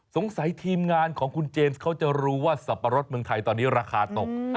ทีมงานของคุณเจมส์เขาจะรู้ว่าสับปะรดเมืองไทยตอนนี้ราคาตก